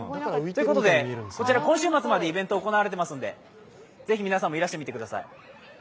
今週末までイベントが行われていますので、ぜひ皆さんもいらしてみてください。